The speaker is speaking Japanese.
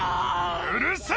うるさい！